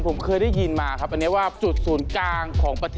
สาวชิงช้าแถวนั้นเนี่ยมันจะได้สูตรร่วมของเกรด